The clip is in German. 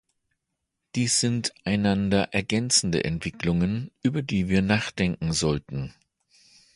Dies sind einander ergänzende Entwicklungen, über die wir nachdenken sollten.